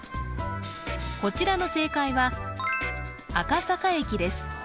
こちらの正解は赤坂駅です